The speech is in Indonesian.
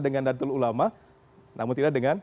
dengan datul ulama namun tidak dengan